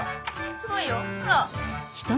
すごいよほら！